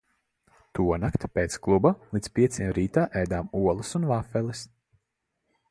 Tonakt pēc kluba līdz pieciem rītā ēdām olas un vafeles.